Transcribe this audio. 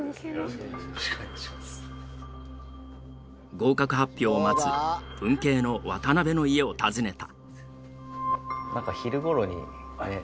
合格発表を待つ文系の渡辺の家を訪ねた。